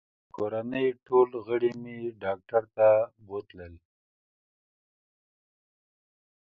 د کورنۍ ټول غړي مې ډاکټر ته بوتلل